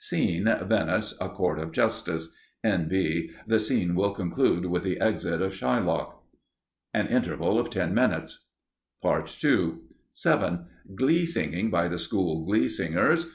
Scene: Venice. A Court of Justice. N.B. The scene will conclude with the exit of Shylock. An Interval of Ten Minutes. PART II 7. Glee Singing by the School Glee Singers.